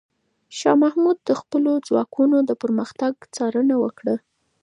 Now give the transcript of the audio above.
شاه محمود د خپلو ځواکونو د پرمختګ څارنه وکړه.